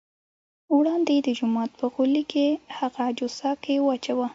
وړاندې یې د جومات په غولي کې هغه جوسه کې واچوه.